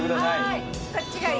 はい。